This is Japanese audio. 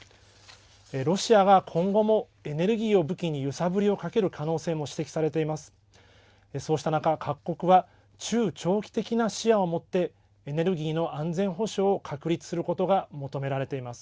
ロシアが今後もエネルギーを武器に揺さぶりをかける可能性も指摘されています。